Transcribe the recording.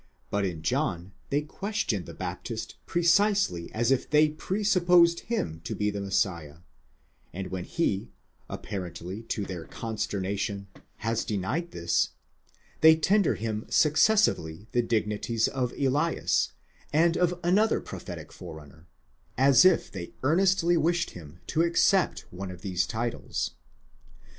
but in John, they question the Baptist precisely as if they pre supposed him to be the Messiah, and when he, apparently to their consternation, has denied this, they tender him successively the dignities of Elias, and of another prophetic forerunner, as if they earnestly wished him to accept one of these titles.